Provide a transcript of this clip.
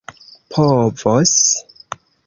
povos